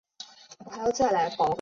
兴趣是散步与研究竹轮。